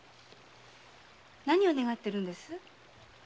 何を願っているんです？